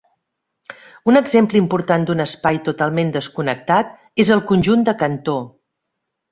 Un exemple important d'un espai totalment desconnectat és el conjunt de Cantor.